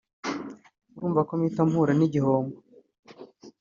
urumva ko mpita mpura n’igihombo